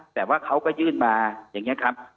แต่ว่าเขาก็ยื่นมาอย่างนี้ครับ